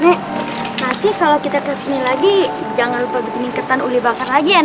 nek nanti kalau kita ke sini lagi jangan lupa bikin ingketan uli bakar lagi ya nek